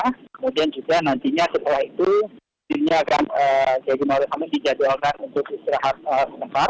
kemudian juga nantinya setelah itu dirinya akan kiai hedimor hamil dijadwalkan untuk istirahat sempat